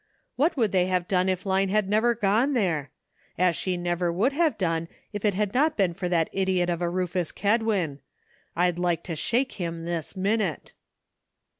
What would they have done if Line had never gone there? as she never would have done if it had not been for that idiot of a Rufus Kedwin. I'd like to shake him this minute